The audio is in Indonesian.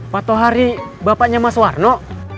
patoh hari bapaknya mas warno